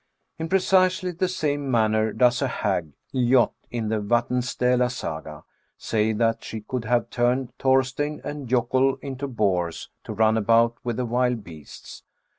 In precisely the same manner does a hag, Ljot, in the Vatnsdsela Saga, say that she could have turned Thorsteinn and Jokoll into boars to run about with the wild beasts (c.